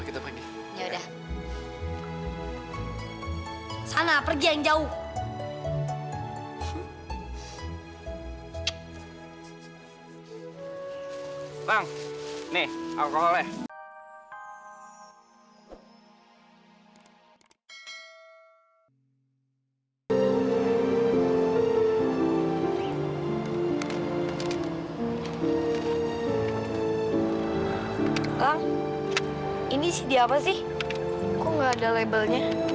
kok nggak ada labelnya